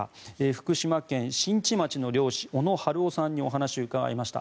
福島県新地町の漁師小野春雄さんにお話を伺いました。